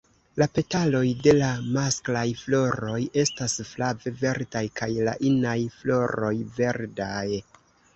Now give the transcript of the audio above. La petaloj de la masklaj floroj estas flave verdaj kaj la inaj floroj verdaj.